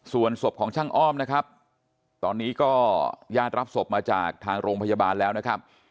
ส่วนศพของช่างอ้อมนะครับตอนนี้ก็ญาติรับศพมาจากทางโรงพยาบาลแล้วนะครับ